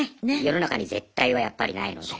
世の中に「絶対」はやっぱりないので。